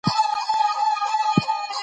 یوې ښځي زوی مُلا ته راوستلی